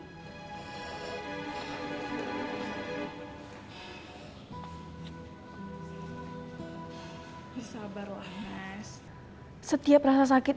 nghias menarian dikit